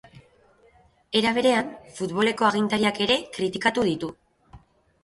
Era berean, futboleko agintariak ere kritikatu ditu.